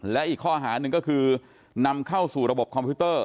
และอีกข้อหาหนึ่งก็คือนำเข้าสู่ระบบคอมพิวเตอร์